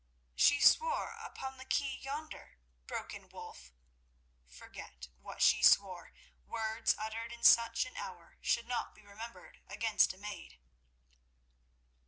"She swore upon the quay yonder"—broke in Wulf. "Forget what she swore. Words uttered in such an hour should not be remembered against a maid."